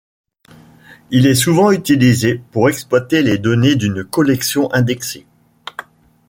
Il est souvent utilisé pour exploiter les données d'une collection indexée.